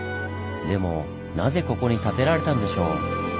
でもなぜここに建てられたんでしょう？